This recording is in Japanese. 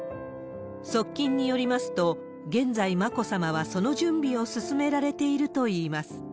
側近によりますと、現在、眞子さまはその準備を進められているといいます。